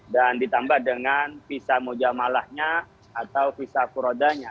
dan ditambah dengan visa mujamalahnya atau visa kurodanya